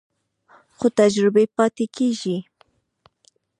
خو تجربې پاتې کېږي.